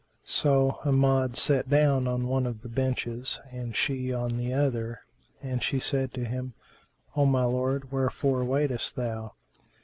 So Amjad sat down on one of the benches and she on the other; and she said to him, "O my lord, wherefore waitest thou?"